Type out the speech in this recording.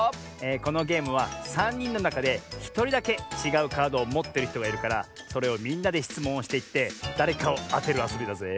このゲームはさんにんのなかでひとりだけちがうカードをもってるひとがいるからそれをみんなでしつもんをしていってだれかをあてるあそびだぜ。